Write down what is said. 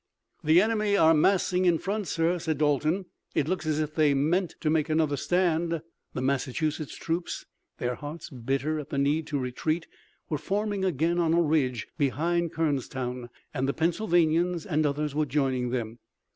"The enemy are massing in front, sir," said Dalton. "It looks as if they meant to make another stand." The Massachusetts troops, their hearts bitter at the need to retreat, were forming again on a ridge behind Kernstown, and the Pennsylvanians and others were joining them.